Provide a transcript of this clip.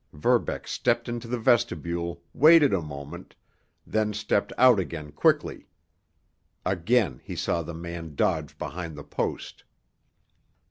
Verbeck stepped into the vestibule, waited a moment, then stepped out again quickly. Again he saw the man dodge behind the post.